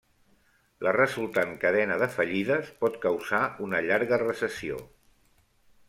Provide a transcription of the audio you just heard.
La resultant cadena de fallides pot causar una llarga recessió.